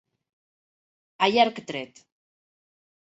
A llarg tret.